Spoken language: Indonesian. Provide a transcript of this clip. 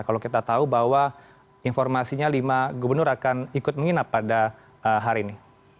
kalau kita tahu bahwa informasinya lima gubernur akan ikut menginap pada hari ini